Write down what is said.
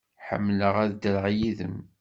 Ḥemmleɣ ad ddreɣ yid-m.